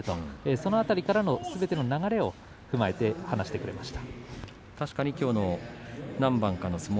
その辺りからのすべての流れを踏まえて話してくれました。